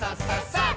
さあ！